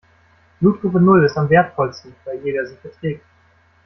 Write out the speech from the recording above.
Blutgruppe Null ist am wertvollsten, weil jeder sie verträgt.